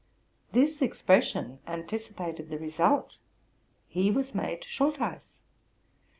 '' This expression anticipated the result, — he was made Schultheiss.